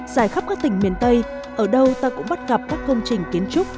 dài khắp các tỉnh miền tây ở đâu ta cũng bắt gặp các công trình kiến trúc